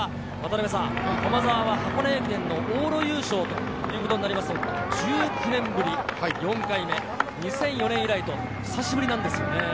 駒澤は箱根駅伝の往路優勝となると１９年ぶり４回目、２００４年以来と久しぶりなんです。